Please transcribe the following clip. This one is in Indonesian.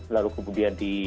lalu kemudian di